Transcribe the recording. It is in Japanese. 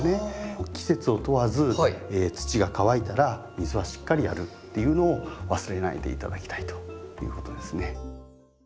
季節を問わず土が乾いたら水はしっかりやるっていうのを忘れないで頂きたいということですね。